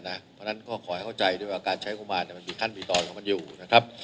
เพราะฉะนั้นก็ขอให้เข้าใจด้วยว่าการใช้งบประมาณมันมีขั้นมีตอนของมันอยู่นะครับ